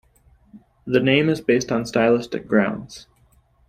The name is based on stylistic grounds.